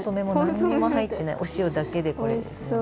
お塩だけでこれですもんね。